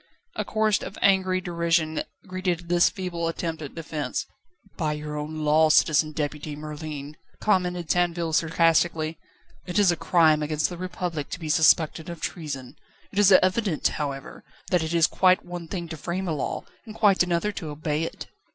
A chorus of angry derision greeted this feeble attempt at defence. "By your own law, Citizen Deputy Merlin," commented Tinville sarcastically, "it is a crime against the Republic to be suspected of treason. It is evident, however, that it is quite one thing to frame a law and quite another to obey it."